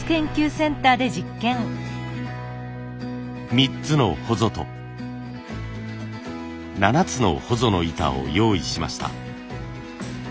３つのほぞと７つのほぞの板を用意しました。